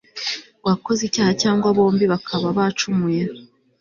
wakoze icyaha cyangwa bombi bakaba bacumuye